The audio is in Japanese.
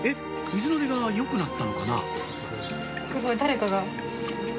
水の出がよくなったのかな？